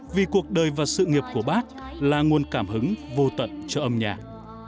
vì cuộc đời và sự nghiệp của bác là nguồn cảm hứng vô tận cho âm nhạc